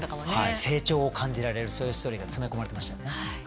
成長を感じられるそういうストーリーが詰め込まれてましたよね。